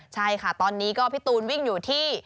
ใช่ค่ะตอนนี้ก็พี่ตูนวิ่งอยู่ที่